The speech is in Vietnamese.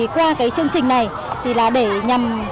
qua chương trình này để nhằm